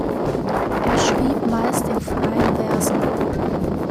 Er schrieb meist in freien Versen.